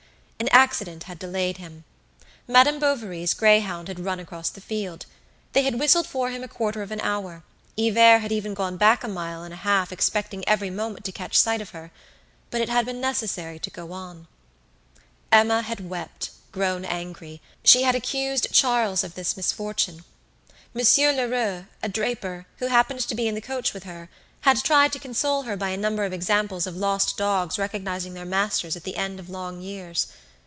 An accident had delayed him. Madame Bovary's greyhound had run across the field. They had whistled for him a quarter of an hour; Hivert had even gone back a mile and a half expecting every moment to catch sight of her; but it had been necessary to go on. Emma had wept, grown angry; she had accused Charles of this misfortune. Monsieur Lheureux, a draper, who happened to be in the coach with her, had tried to console her by a number of examples of lost dogs recognizing their masters at the end of long years.